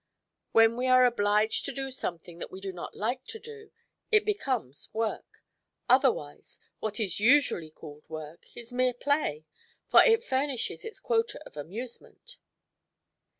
When we are obliged to do something that we do not like to do, it becomes 'work.' Otherwise, what is usually called 'work' is mere play, for it furnishes its quota of amusement."